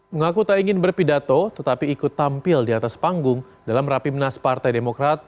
mengaku tak ingin berpidato tetapi ikut tampil di atas panggung dalam rapimnas partai demokrat